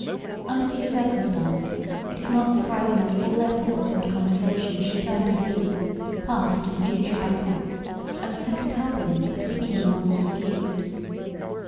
Under these circumstances it is not surprising that all their thoughts and conversation should turn to food, past and future banquets, and second helpings that had been once refused.